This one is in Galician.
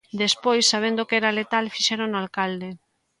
Despois, sabendo que era letal, fixérono alcalde.